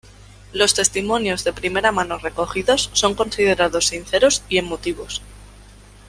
Los testimonios de primera mano recogidos son considerados sinceros y emotivos.